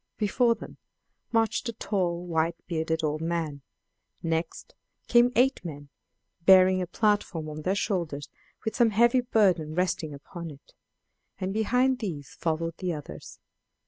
Before them marched a tall white bearded old man; next came eight men, bearing a platform on their shoulders with some heavy burden resting upon it; and behind these followed the others.